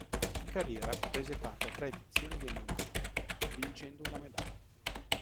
In carriera prese parte a tre edizioni dei Mondiali, vincendo una medaglia.